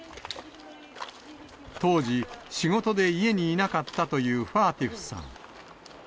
当時、仕事で家にいなかったというファーティフさん。